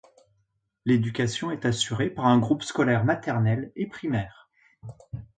L'éducation est assurée par un groupe scolaire maternelle et primaire.